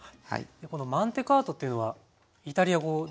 この「マンテカート」っていうのはイタリア語ですか？